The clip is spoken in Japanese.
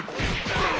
ああ！